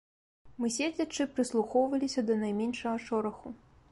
Мы седзячы прыслухоўваліся да найменшага шораху.